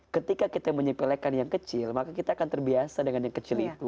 ketika kita menyepelekan yang kecil maka kita akan terbiasa dengan yang kecil itu